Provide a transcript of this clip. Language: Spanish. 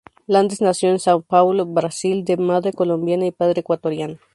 Landes nació en São Paulo, Brasil, de madre colombiana y padre ecuatoriano.